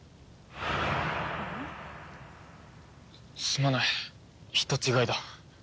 すまない人違いだ。